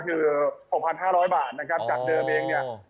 คือ๖๕๐๐บาทจากเดิมเองเนี่ย